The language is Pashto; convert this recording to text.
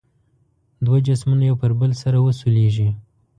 دوه جسمونه یو پر بل سره وسولیږي.